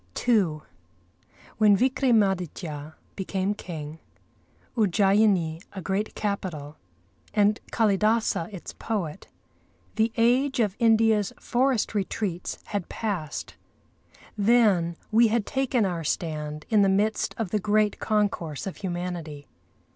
II When Vikramâditya became king, Ujjayini a great capital, and Kâlidâsa its poet, the age of India's forest retreats had passed. Then we had taken our stand in the midst of the great concourse of humanity.